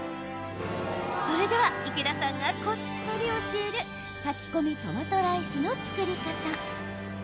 それでは池田さんがこっそり教える炊き込みトマトライスの作り方。